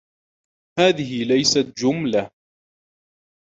هذه ليست جملةً.